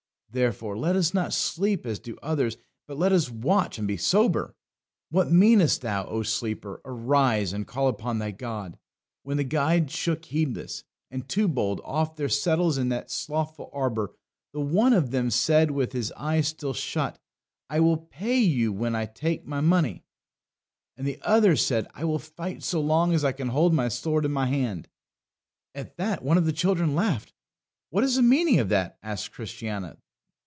Therefore let us not sleep as do others, but let us watch and be sober. What meanest thou, O sleeper? arise and call upon thy God! When the guide shook Heedless and Too bold off their settles in that slothful arbour, the one of them said with his eyes still shut, "I will pay you when I take my money," and the other said, "I will fight so long as I can hold my sword in my hand." At that one of the children laughed. "What is the meaning of that?" asked Christiana.